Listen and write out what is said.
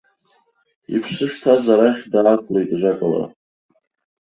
Иԥсы шҭаз арахь даақәлеит, ажәакала.